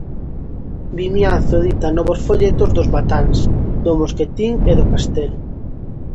Vimianzo edita novos folletos dos batáns do Mosquetín e do castelo.